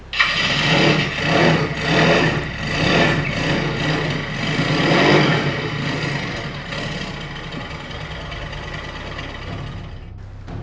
เสียงที่๖